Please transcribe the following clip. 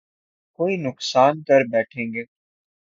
کوئی نقصان کر بیٹھیں گے